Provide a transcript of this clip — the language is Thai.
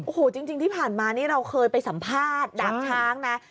โอ้โหจริงที่ผ่านมานี่เราเคยไปสัมภาษณ์ดาบช้างนะ